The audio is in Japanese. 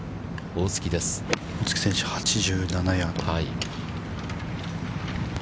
◆大槻選手、８７ヤード。